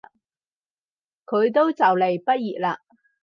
佢都就嚟畢業喇